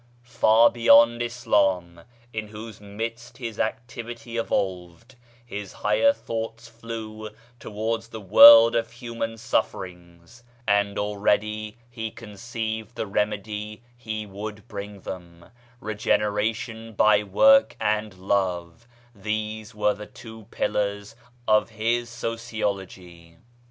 Far beyond Islam, in whose midst his activity evolved, his higher thoughts flew towards the world of human sufferings, and already he conceived the remedy he would bring them: regeneration by work and love, these were the two pillars of his sociology.